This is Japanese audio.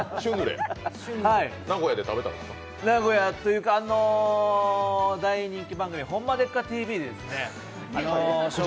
名古屋というか、大人気番組「ホンマでっか！？